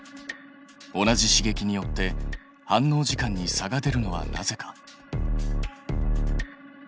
同じ刺激によって反応時間に差が出るのはなぜか？